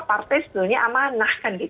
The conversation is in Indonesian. partai sebetulnya amanah